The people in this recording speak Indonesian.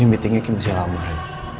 ini meetingnya masih lama ren